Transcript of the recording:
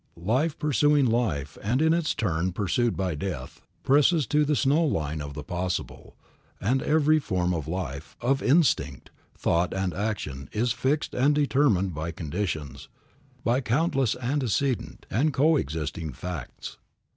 Life pursuing life and in its turn pursued by death, presses to the snow line of the possible, and every form of life, of instinct, thought and action is fixed and determined by conditions, by countless antecedent and co existing facts.